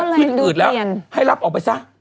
ขึ้นอืดแล้วให้รับออกไปซะ